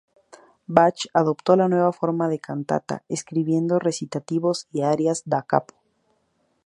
Bach adoptó la nueva forma de cantata, escribiendo recitativos y arias "da capo".